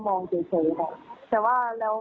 เฉยค่ะแต่ว่าแล้ว